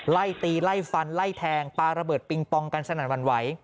ไล่ตีไล่ฟันไล่แทงปลาระเบิดปิงปองกันสนั่นหวั่นไหว